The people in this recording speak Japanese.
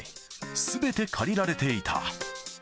すべて借りられていた。